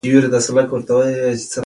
انار د وینې صفا کوي.